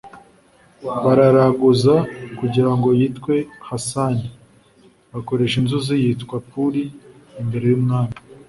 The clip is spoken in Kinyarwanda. Bararaguza kugirango yitwe Hasani, bakoresha inzuzi zitwa Puri imbere y’umwami